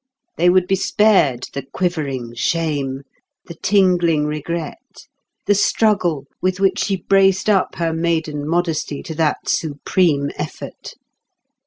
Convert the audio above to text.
They would be spared the quivering shame, the tingling regret, the struggle with which she braced up her maiden modesty to that supreme effort.